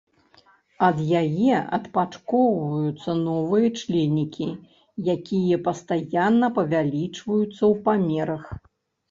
Ад яе адпачкоўваюцца новыя членікі, якія пастаянна павялічваюцца ў памерах.